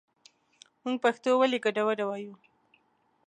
مونږ پښتو ولې ګډه وډه وايو